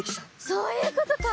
そういうことか！